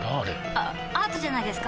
あアートじゃないですか？